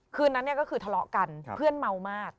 คืนนั้นเนี่ยก็คือทะเลาะกันเพื่อนเมามาก